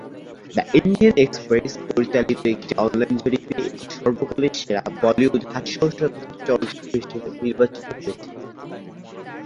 The Indian Express পরিচালিত একটি online জরিপে এটি সর্বকালের সেরা বলিউড হাস্যরসাত্মক চলচ্চিত্র হিসাবে নির্বাচিত হয়েছিল।